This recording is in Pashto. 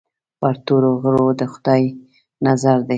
پر تورو غرو د خدای نظر دی.